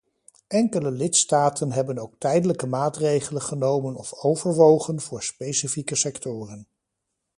Enkele lidstaten hebben ook tijdelijke maatregelen genomen of overwogen voor specifieke sectoren.